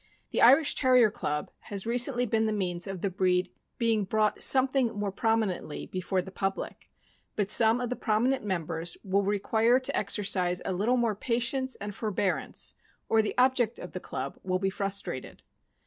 The Irish Terrier Club has recently been the means of the breed being brought something more prominently before the public, but some of the prominent members will require to exercise a little more patience and forbear ance, or the object of the club will be frustrated.